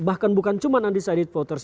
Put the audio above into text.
bahkan bukan cuma undecided voters